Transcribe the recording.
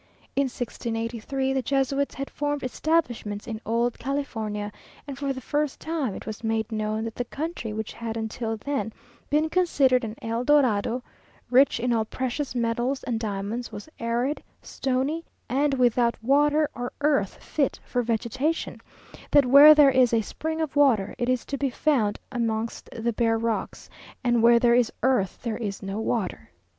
In 1683 the Jesuits had formed establishments in old California, and for the first time it was made known that the country which had until then been considered an El Dorado, rich in all precious metals and diamonds, was arid, stony, and without water or earth fit for vegetation; that where there is a spring of water it is to be found amongst the bare rocks, and where there is earth there is no water.